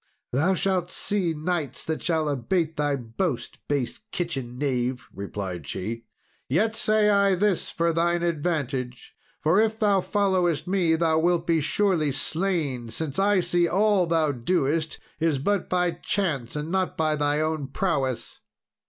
"Thou shalt see knights that shall abate thy boast, base kitchen knave," replied she; "yet say I this for thine advantage, for if thou followest me thou wilt be surely slain, since I see all thou doest is but by chance, and not by thy own prowess."